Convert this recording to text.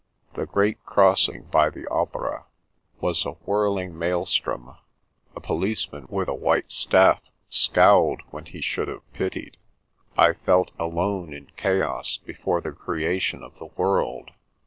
The great crossing Pots, Kettles, and Other Things 47 by the Opera was a whirling maelstrom ; a policeman with a white staff, scowled when he should have pitied ; I felt alone in chaos before the creation of the world.